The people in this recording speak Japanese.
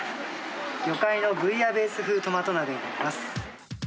魚介のブイヤベース風トマト鍋になります。